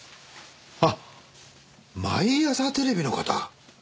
あっ毎朝テレビの方？